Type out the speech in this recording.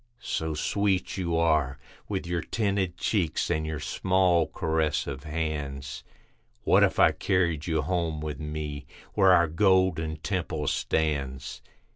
So sweet you are, with your tinted cheeks and your small caressive hands, What if I carried you home with me, where our Golden Temple stands?